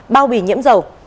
bao bì nhiễm dầu